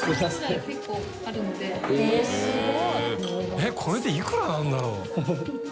えっこれでいくらなんだろう？